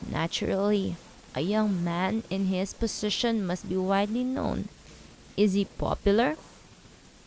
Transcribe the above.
'Naturally. A young man in his position must be widely known. Is he popular?'